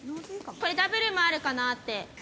これ、ダブルもあるかなって。